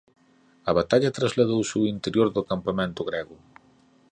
A batalla trasladouse ó interior do campamento grego.